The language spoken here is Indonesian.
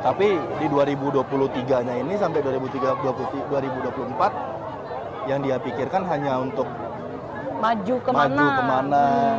tapi di dua ribu dua puluh tiga nya ini sampai dua ribu dua puluh empat yang dia pikirkan hanya untuk maju kemana